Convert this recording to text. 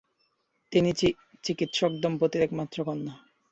তিনি চিকিৎসক দম্পতির একমাত্র কন্যা।